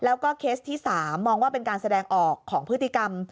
แล้วก็เคสที่๓มองว่าเป็นการแสดงออกของพฤติกรรม